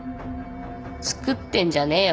つくってんじゃねえよ。